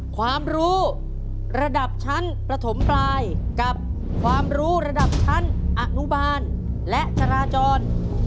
ความรู้ระดับชั้นประถมปลายกับความรู้ระดับชั้นอนุบาลและจราจร